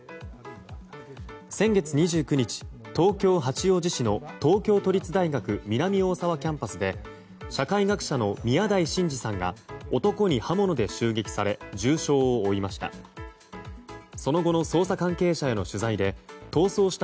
先月２９日、東京・八王子市の東京都立大学南大沢キャンパスで社会学者の宮台真司さんが男に刃物で襲撃され重傷を負いました。